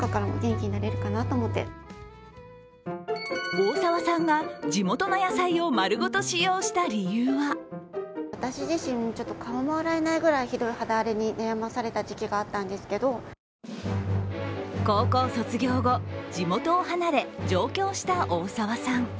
大澤さんが地元の野菜を丸ごと使用した理由は高校卒業後、地元を離れ上京した大澤さん。